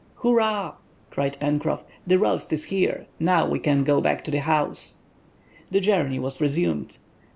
"Hurrah!" cried Pencroff, "the roast is here; now we can go back to the house." The journey was resumed.